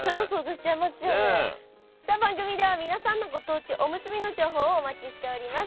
何かそれもさあ番組では皆さんのご当地おむすびの情報をお待ちしております！